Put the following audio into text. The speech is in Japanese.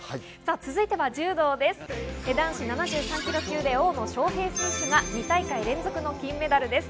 続いて柔道で、男子７３ｋｇ級で大野将平選手が２大会連続の金メダルです。